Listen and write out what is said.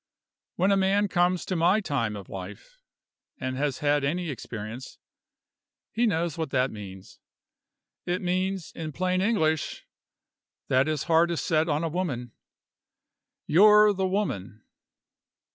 When a man comes to my time of life, and has had any experience, he knows what that means. It means, in plain English, that his heart is set on a woman. You're the woman."